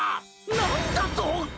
なんだと！？